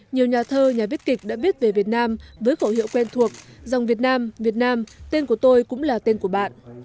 nhiều nhà thơ nhà viết kịch đã viết về việt nam với khẩu hiệu quen thuộc rằng việt nam việt nam tên của tôi cũng là tên của bạn